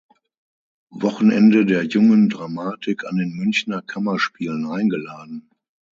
Wochenende der jungen Dramatik an den Münchner Kammerspielen eingeladen.